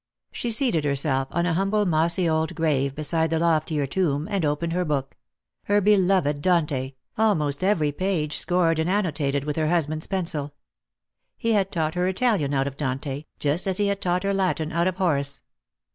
She seated herself on a humble mossy old grave beside the loftier tomb, and opened her book —her beloved Dante, almost every page scored and annotated with her husband's pencil. He had taught her Italian out of Dante, just as he had taught her Latin out of Horace.